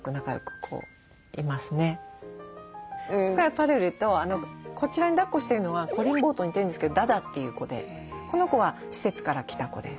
これはぱるるとこちらにだっこしてるのはこりん坊と似てるんですけどダダという子でこの子は施設から来た子です。